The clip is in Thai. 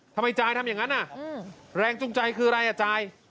จายทำอย่างนั้นแรงจูงใจคืออะไรอ่ะจาย